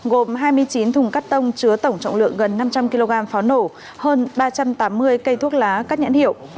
gồm hai mươi chín thùng cắt tông chứa tổng trọng lượng gần năm trăm linh kg pháo nổ hơn ba trăm tám mươi cây thuốc lá các nhãn hiệu